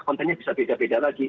content nya bisa beda beda lagi